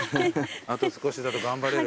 あと少しだと頑張れる。